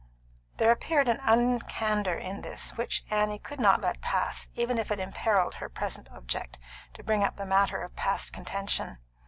There appeared an uncandour in this which Annie could not let pass even if it imperilled her present object to bring up the matter of past contention.